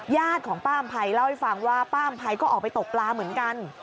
ญาติของป้าอำภัยเล่าให้ฟังว่าป้าอำภัยก็ออกไปตกปลาเหมือนกัน